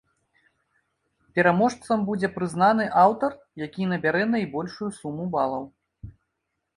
Пераможцам будзе прызнаны аўтар, які набярэ найбольшую суму балаў.